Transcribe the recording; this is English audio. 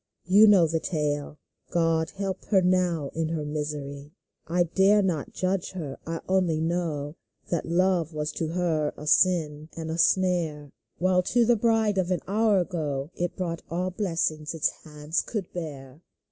You know the tale — God help her now in her misery ! I dare not judge her. I only know That love was to her a sin and a snare, 174 TWO While to the bride of an hour ago It brought all blessings its hands could bear